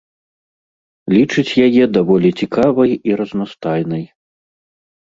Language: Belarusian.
Лічыць яе даволі цікавай і разнастайнай.